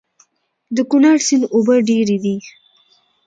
د کونړ سيند اوبه ډېرې دي